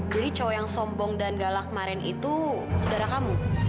jadi cowok yang sombong dan galak kemarin itu saudara kamu